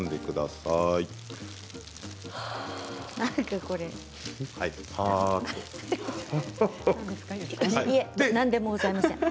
いえ、なんでもございません。